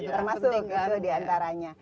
termasuk itu diantaranya